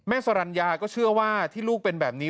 สรรญาก็เชื่อว่าที่ลูกเป็นแบบนี้